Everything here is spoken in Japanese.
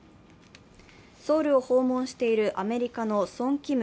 ソウルを訪問しているアメリカのソン・キム